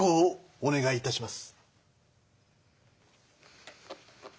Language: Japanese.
お願いいたします。